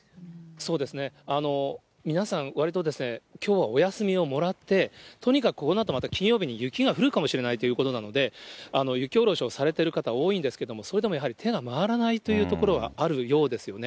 そうですね、皆さん、わりときょうはお休みをもらって、とにかくこのあとまた金曜日に雪が降るかもしれないということなので、雪下ろしをされてる方、多いんですけれども、それでもやはり手が回らないというところはあるようですよね。